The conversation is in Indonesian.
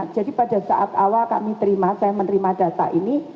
jadi pada saat awal kami menerima data ini